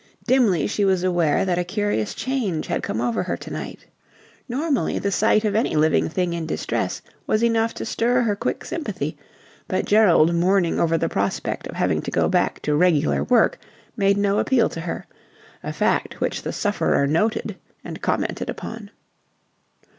Dimly she was aware that a curious change had come over her to night. Normally, the sight of any living thing in distress was enough to stir her quick sympathy: but Gerald mourning over the prospect of having to go back to regular work made no appeal to her a fact which the sufferer noted and commented upon.